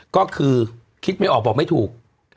ก็คือคิดไม่ออกบอกไม่ถูก